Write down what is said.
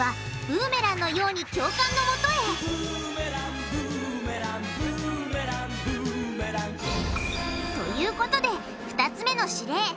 ブーメランのように教官のもとへということで２つ目の指令。